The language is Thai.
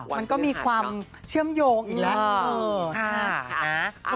มันก็มีความเชื่อมโยงอีกแล้ว